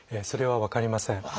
それは分かりません。